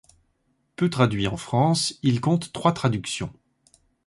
Peu traduit en France, il compte trois traductions.